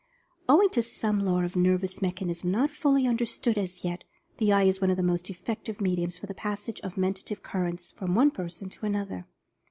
Owing to some law of nervous mechanism not fully understood as yet, the eye is one of the most effective mediums for the passage of Mentative Currents from one person to another.